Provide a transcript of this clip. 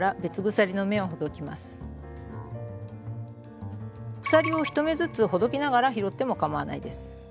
鎖を１目ずつほどきながら拾ってもかまわないです。